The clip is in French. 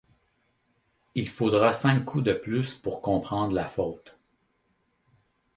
Il faudra cinq coups de plus pour comprendre la faute.